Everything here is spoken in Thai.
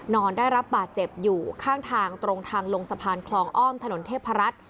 นอนได้รับบาดเจ็บอยู่ข้างทางตรงทางลงสะพานคลองอ้อมถนนเทพรัฐ